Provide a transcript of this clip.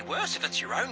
「違う。